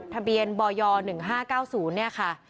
ทะเบียนบย๑๕๙๐เนี่ยค่ะ